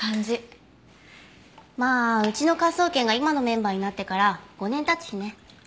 まあうちの科捜研が今のメンバーになってから５年経つしね。